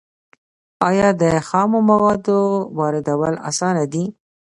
آیا د خامو موادو واردول اسانه دي؟